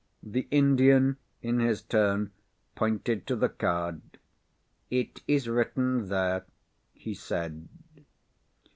The Indian, in his turn, pointed to the card. "It is written there," he said.